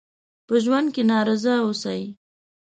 په ژوند کې ناراضه اوسئ.